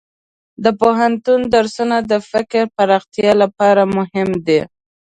د پوهنتون درسونه د فکر پراختیا لپاره مهم دي.